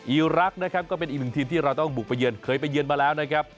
อีรักษ์นะครับก็เป็นอีกหนึ่งทีมที่เราต้องบุกไปเยือนเคยไปเยือนมาแล้วนะครับ